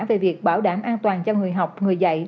về việc bảo đảm an toàn cho người học người dạy